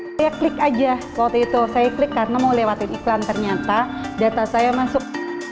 hai saya klik aja waktu itu saya klik karena mau lewatin iklan ternyata data saya masuk